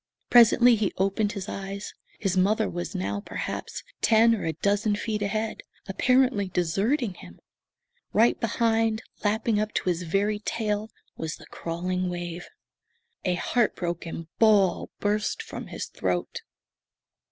Presently he opened his eyes. His mother was now perhaps ten or a dozen feet ahead, apparently deserting him. Right behind, lapping up to his very tail, was the crawling wave. A heart broken bawl burst from his throat.